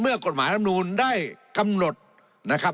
กฎหมายลำนูนได้กำหนดนะครับ